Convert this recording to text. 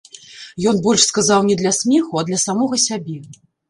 Ён больш сказаў не для смеху, а для самога сябе.